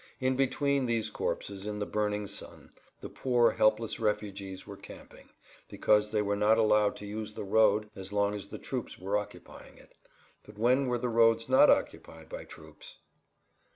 In between these corpses, in the burning sun, the poor, helpless refugees were camping, because they were not allowed to use the road as long as the troops were occupying it. But when were the roads not occupied by troops!